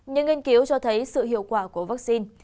những nghiên cứu cho thấy sự hiệu quả của vaccine